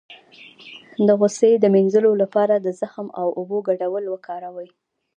د غوسې د مینځلو لپاره د زغم او اوبو ګډول وکاروئ